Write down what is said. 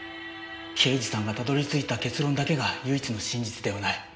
刑事さんがたどり着いた結論だけが唯一の真実ではない。